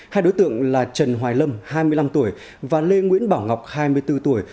hai đối tượng là trần hoài lâm hai mươi năm tuổi và lê nguyễn bảo ngọc hai mươi bốn tuổi